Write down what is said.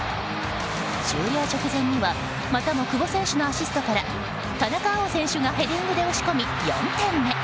終了直前にはまたも久保選手のアシストから田中碧選手がヘディングで押し込み４点目。